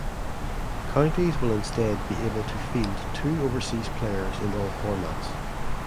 Counties will instead be able to field two overseas players in all formats.